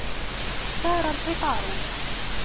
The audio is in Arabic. سَارَ الْقِطَارُ.